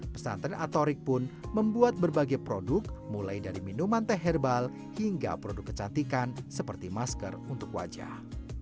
pesantren atorik pun membuat berbagai produk mulai dari minuman teh herbal hingga produk kecantikan seperti masker untuk wajah